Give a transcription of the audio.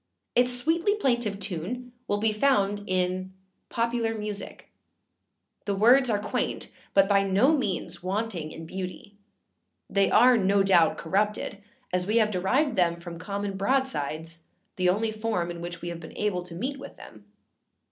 Its sweetly plaintive tune will be found in Popular Music. The words are quaint, but by no means wanting in beauty; they are, no doubt, corrupted, as we have derived them from common broadsides, the only form in which we have been able to meet with them.